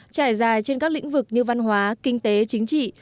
trải dài trên các lĩnh vực như văn hóa kinh tế chính trị